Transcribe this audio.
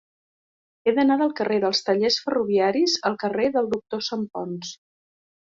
He d'anar del carrer dels Tallers Ferroviaris al carrer del Doctor Santponç.